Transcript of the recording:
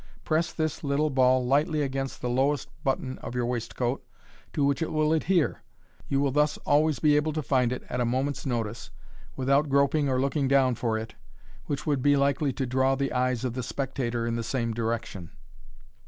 Press this little ball lightly against the lowest button of your waistcoat, to which it will adhere. You will thus always be able to find it at a moment's notice, without groping or looking down for it, which would be likely to draw the eyes of the spectator in the same direction.